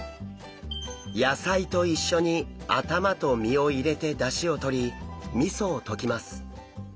野菜と一緒に頭と身を入れて出汁をとりみそを溶きます。